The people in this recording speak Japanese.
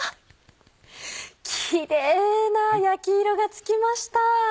キレイな焼き色がつきました！